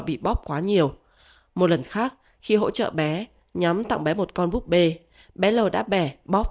bị bóp quá nhiều một lần khác khi hỗ trợ bé nhóm tặng bé một con búp bê bé l đã bẻ bóp